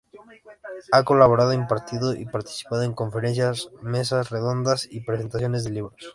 Ha colaborado, impartido y participado en conferencias, mesas redondas y presentaciones de libros.